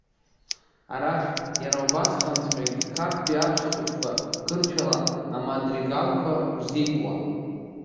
Арахь, иара убасҟанҵәҟьагьы қарҭтәи аҳәсахәыҷқәа қырҭшәала амадригалқәа рзикуан.